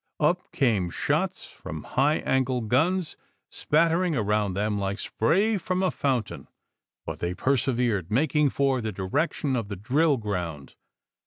Up came shots from high angle guns, spattering around them like spray from a fountain; but they persevered, making for the direction of the drill ground.